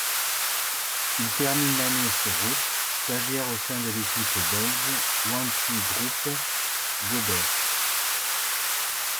Il termine l'année sur route, stagiaire au sein de l'équipe belge Wanty-Groupe Gobert.